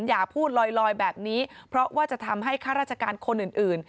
อย่าพูดลอยแบบนี้เพราะว่าจะทำให้ข้าราชการคนอื่น